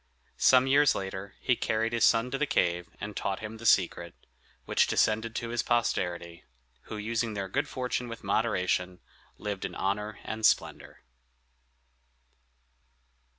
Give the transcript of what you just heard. Some years later he carried his son to the cave and taught him the secret, which descended to his posterity, who, using their good fortune with moderation, lived in honor and splendor.